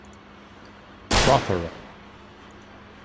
Prothero.